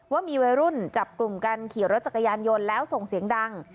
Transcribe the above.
ว่ามีวัยรุ่นจับกลุ่มกันขี่รถจักรยานยนต์แล้วส่งเสียงดัง